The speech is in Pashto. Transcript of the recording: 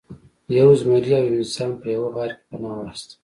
یو زمری او یو انسان په یوه غار کې پناه واخیسته.